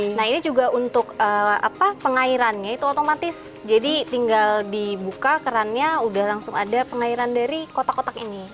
nah ini juga untuk pengairannya itu otomatis jadi tinggal dibuka kerannya udah langsung ada pengairan dari kotak kotak ini